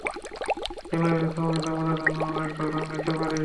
কেন এ রকম হয়, তা বোঝার জন্য আমরা একটা উদাহরণ দিতে পারি।